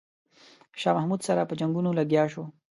شاه محمود سره په جنګونو لګیا شو.